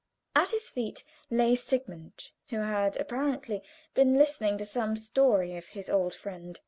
At his feet lay Sigmund, who had apparently been listening to some story of his old friend.